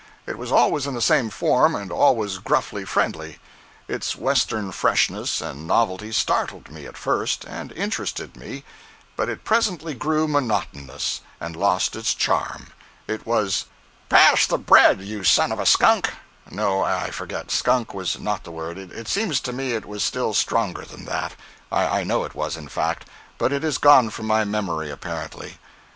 It was always in the same form, and always gruffly friendly. Its western freshness and novelty startled me, at first, and interested me; but it presently grew monotonous, and lost its charm. It was: "Pass the bread, you son of a skunk!" No, I forget—skunk was not the word; it seems to me it was still stronger than that; I know it was, in fact, but it is gone from my memory, apparently.